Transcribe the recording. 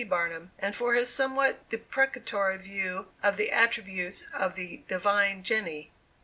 Barnum, and for his somewhat deprecatory view of the attributes of the "divine Jenny."